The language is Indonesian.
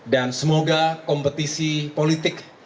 dan semoga kompetisi politik